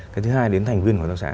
cái thứ hai đến thành viên hợp tác xã